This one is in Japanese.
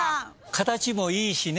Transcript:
形もいいしね。